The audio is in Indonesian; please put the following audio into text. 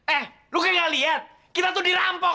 eh lo kan nggak liat kita tuh dirampok